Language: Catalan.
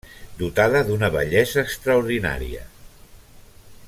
Dotada d'una bellesa extraordinària.